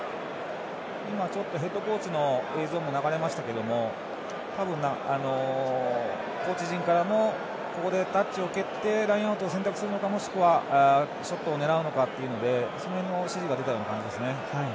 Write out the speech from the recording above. ヘッドコーチの映像も流れましたけれども多分、コーチ陣からもここでタッチに蹴ってラインアウトを選択するのかもしくは、ショットを狙うのかというので、その辺の指示が出たような感じですね。